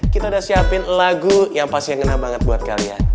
kita udah siapin lagu yang pasti yang kena banget buat kalian